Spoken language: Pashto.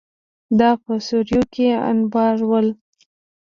دا په سوریو کې انبارول.